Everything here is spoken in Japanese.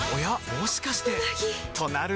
もしかしてうなぎ！